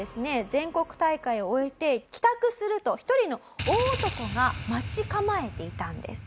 全国大会を終えて帰宅すると１人の大男が待ち構えていたんです。